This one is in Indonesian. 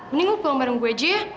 mending lu pulang bareng gue aja ya